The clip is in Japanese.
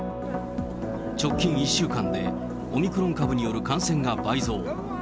直近１週間でオミクロン株による感染が倍増。